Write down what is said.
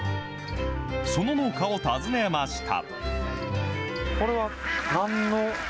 その農家を訪ねました。